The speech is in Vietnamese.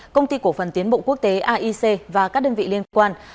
công ty cổ phần tiến bộ quốc tế aic và các đơn vị liên quan